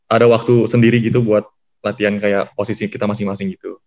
ada waktu sendiri gitu buat latihan kayak posisi kita masing masing gitu